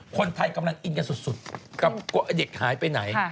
คนไทยกำลังอินกันสุดกับเด็กหายไปไหน